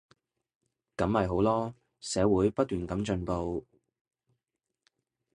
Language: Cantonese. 噉咪好囉，社會不斷噉進步